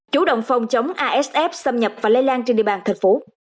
chủ động phòng chống asf xâm nhập và lây lan trên địa bàn tp